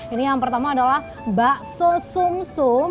ini yang pertama adalah bakso sum sum